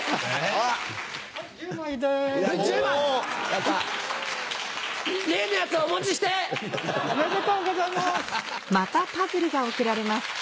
おめでとうございます。